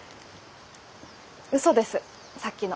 うそですさっきの。